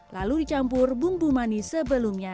lalu di campur bumbu manis sebelumnya